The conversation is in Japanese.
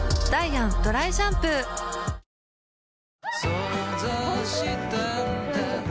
想像したんだ